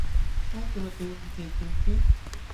¿Hayka watayuqmi kaykanki?